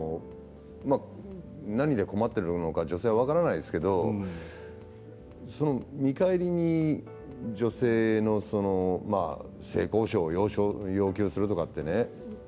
何で困っているのか女性は分からないですけどその見返りに女性の性交渉を要求するとかってね